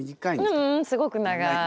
ううんすごく長い。